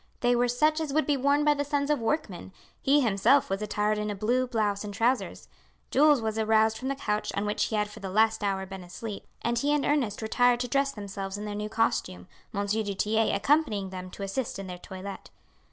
They were such as would be worn by the sons of workmen; he himself was attired in a blue blouse and trousers. Jules was aroused from the couch on which he had for the last hour been asleep, and he and Ernest retired to dress themselves in their new costume, M. du Tillet accompanying them to assist in their toilet.